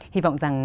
hy vọng rằng